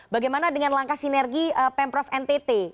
bagaimana dengan langkah sinergi pemprov ntt